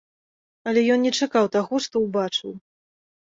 Але ён не чакаў таго, што ўбачыў.